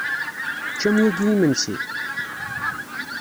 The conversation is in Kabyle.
Teččam yagi imensi?